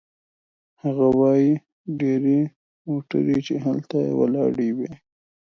هغه وايي: "ډېرې موټرې چې هلته ولاړې وې